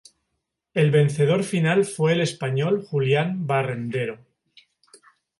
El vencedor final fue el español Julián Berrendero.